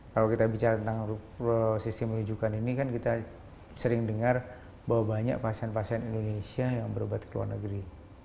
kalau kita bicara tentang sistem rujukan ini kan kita sering dengar bahwa banyak pasien pasien indonesia yang berobat di luar negeri